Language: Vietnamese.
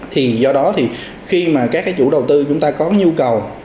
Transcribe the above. thì do đó thì khi mà các cái chủ đầu tư chúng ta có nhu cầu